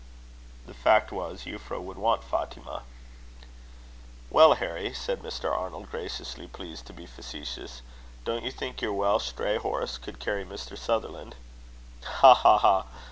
The fact was, Euphra would want Fatima. "Well, Harry," said Mr. Arnold, graciously pleased to be facetious, "don't you think your Welsh dray horse could carry Mr. Sutherland?" "Ha! ha! ha!